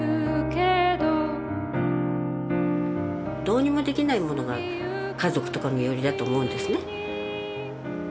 どうにもできないものが家族とか身寄りだと思うんですね。